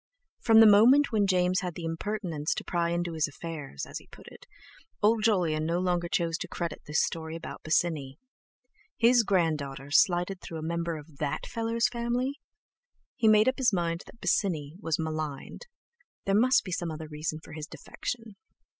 From the moment when James had the impertinence to pry into his affairs—as he put it—old Jolyon no longer chose to credit this story about Bosinney. His grand daughter slighted through a member of "that fellow's" family! He made up his mind that Bosinney was maligned. There must be some other reason for his defection.